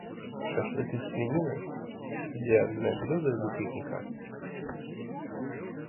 Шашлык из свинины - идеальное блюдо для пикника.